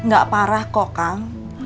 gak parah kok kang